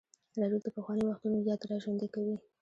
راډیو د پخوانیو وختونو یاد راژوندی کوي.